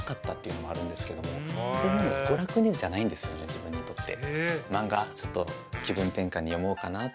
自分にとって。